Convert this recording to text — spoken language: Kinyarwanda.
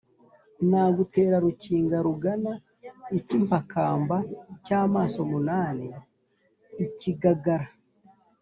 Nagutera Rukinga rugana ikimpakamba cy'amaso munani-Ikigagara.